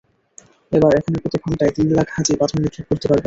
এবার এখানে প্রতি ঘণ্টায় তিন লাখ হাজি পাথর নিক্ষেপ করতে পারবেন।